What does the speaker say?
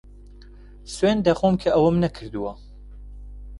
سوێند دەخۆم کە ئەوەم نەکردووە.